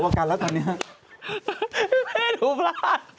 บอกเขาไป